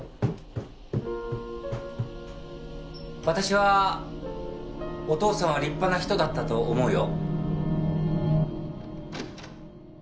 私はお父さんは立派な人だったと思うよ。